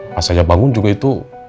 pas saya bangun juga itu